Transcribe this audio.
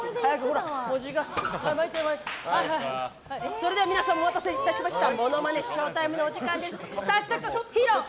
それでは皆さんお待たせいたしました。